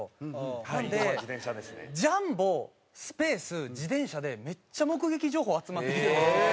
なのでジャンボスペース自転車でめっちゃ目撃情報集まってきてるんです。